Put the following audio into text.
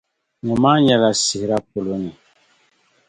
Ŋɔ maa nyɛla sihira polo ni.